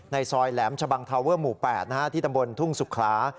ซอยแหลมชะบังทาเวอร์หมู่๘ที่ตำบลทุ่งสุขลา